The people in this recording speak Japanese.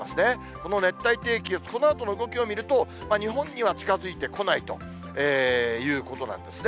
この熱帯低気圧、このあとの動きを見ると、日本には近づいてこないということなんですね。